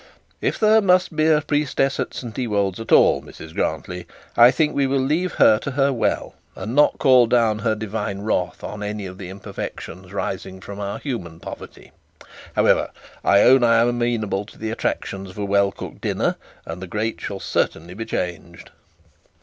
'If there must be a priestess at St Ewold's at all, Mrs Grantly, I think we shall leave her to her well, and not call down her divine wrath on any of the imperfections rising from our human poverty. However, I own I am amenable to the attractions of a well cooked dinner, and the grate shall certainly be changed.'